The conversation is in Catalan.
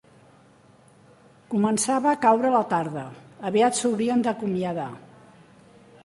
Començava a caure la tarde, aviat s'haurien de acomiadar